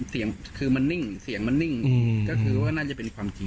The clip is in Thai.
เสียงคือมันนิ่งเสียงมันนิ่งก็คือว่าน่าจะเป็นความจริง